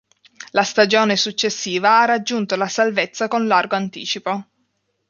La stagione successiva ha raggiunto la salvezza con largo anticipo.